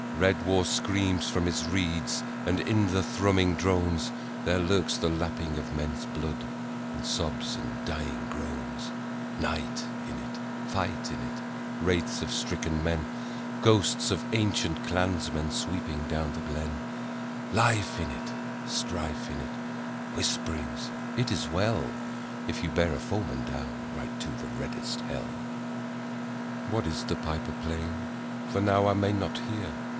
Red war screams from his reeds And in the thrumming drones There lurks the lapping of men's blood, And sobs, and dying groans : Night in it, Fight in it, Wraiths of stricken men, Ghosts of ancient clansmen THE PIPES: ONSET 257 Sweeping down the glen ; Life in it, Strife in it, Whisp'rings â€" it is well, If you bear a foeman down Right to reddest hell !What is the piper playing ? For now I may not hear